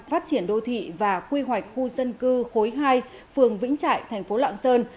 phát triển đô thị và quy hoạch khu dân cư khối hai phường vĩnh trại thành phố lạng sơn